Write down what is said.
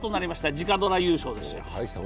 直ドラ優勝です。